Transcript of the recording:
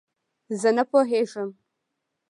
زۀ نۀ پوهېږم.